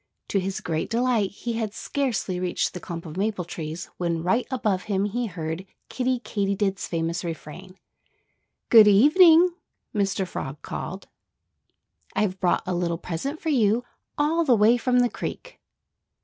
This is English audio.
To his great delight he had scarcely reached the clump of maple trees when right above him he heard Kiddie Katydid's famous refrain. "Good evening!" Mr. Frog called. "I've brought a little present for you, all the way from the creek."